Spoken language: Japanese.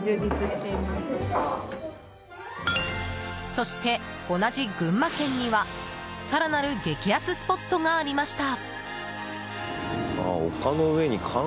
そして、同じ群馬県には更なる激安スポットがありました。